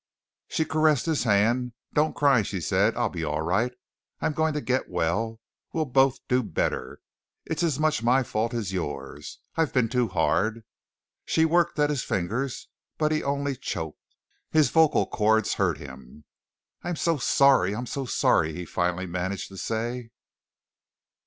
She caressed his hand. "Don't cry," she said, "I'll be all right. I'm going to get well. We'll both do better. It's as much my fault as yours. I've been too hard." She worked at his fingers, but he only choked. His vocal cords hurt him. "I'm so sorry. I'm so sorry," he finally managed to say.